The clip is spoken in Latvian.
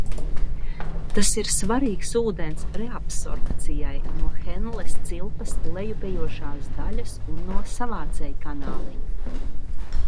Tas ir svarīgs ūdens reabsorbcijai no Henles cilpas lejupejošās daļas un no savācējkanāliņa.